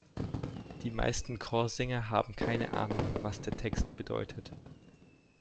Die meisten Chorsänger haben keine Ahnung, was der Text bedeutet.